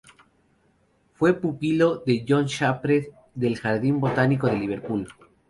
Fue pupilo de John Shepherd del Jardín botánico de Liverpool.